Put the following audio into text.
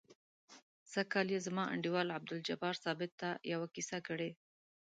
سږ کال یې زما انډیوال عبدالجبار ثابت ته یوه کیسه کړې.